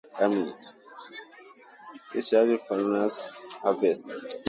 Originally this had been the church's right to a tenth of the parish harvest.